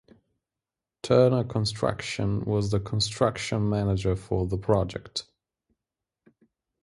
Turner Construction was the construction manager for the project.